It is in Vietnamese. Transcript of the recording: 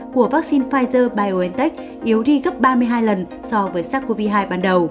của vaccine pfizer biontech yếu đi gấp ba mươi hai lần so với sars cov hai ban đầu